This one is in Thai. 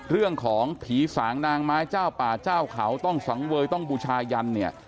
เรื่องของผีสางนางไม้เจ้าป่าเจ้าเขาต้องสังเวยต้องบูชายันเนี่ย